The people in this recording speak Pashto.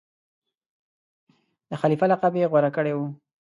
د خلیفه لقب یې غوره کړی وو.